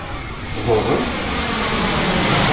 Ḍurren-k?